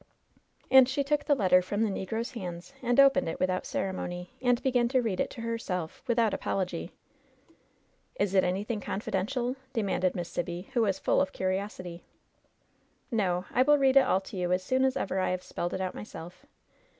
And she took the letter from the negro's hands, and opened it without ceremony, and began to read it to herself, without apology. LOVE'S BITTEREST CUP 29 "Is it anything confidential V^ demanded Miss Sibby, who was full of curiosity. "1^0. I will read it all to you as soon as ever I have spelled it out myself.